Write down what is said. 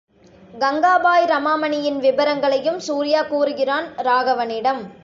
கங்காபாய் ரமாமணியின் விபரங்களையும் சூர்யா கூறுகிறான் ராகவனிடம்.